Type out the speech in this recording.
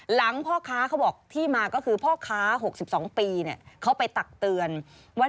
พ่อค้าเขาบอกที่มาก็คือพ่อค้า๖๒ปีเขาไปตักเตือนว่า